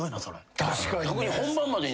確かにね。